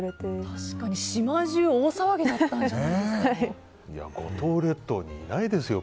確かに、島中大騒ぎだったんじゃないですか。